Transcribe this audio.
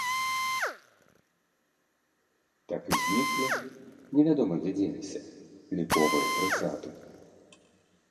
Так і зніклі, невядома дзе дзеліся, ліповыя прысады.